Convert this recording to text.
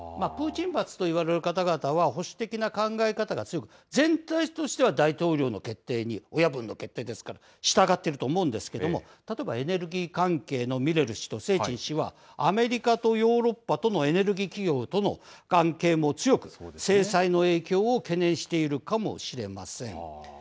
プーチン閥といわれる方々は保守的な考え方が強く、全体としては大統領の決定に、親分の決定ですから、従っていると思うんですけれども、例えば、エネルギー環境のミレル氏とセーチン氏はアメリカとヨーロッパとのエネルギー企業との関係も強く制裁の影響を懸念しているかもしれません。